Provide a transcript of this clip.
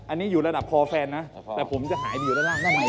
อันนี้อยู่ระดับพอแฟนนะแต่ผมจะหายไปอยู่ร่างมานี้